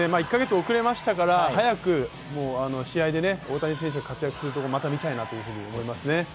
１か月遅れましたから早く試合で大谷選手の活躍をするところをまた見たいなと思いますね。